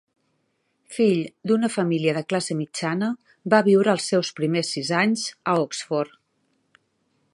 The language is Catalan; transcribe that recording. Fill d'una família de classe mitjana, va viure els seus primers sis anys a Oxford.